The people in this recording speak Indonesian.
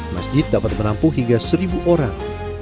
masjid dapat menampung hingga seribu orang